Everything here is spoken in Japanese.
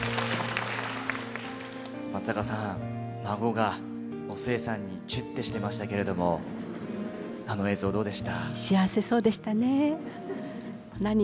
松坂さん孫がお寿恵さんにチュッてしてましたけれどもあの映像どうでした？